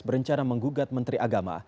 berencana menggugat menteri agama